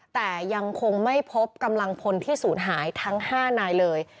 แต่ยังคงไม่พบกำลังพลที่ศูนย์หายทั้ง๕นายเลย